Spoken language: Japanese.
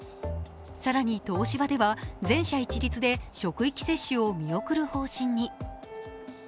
更に東芝では全社一律で職域接種を見送る方針に。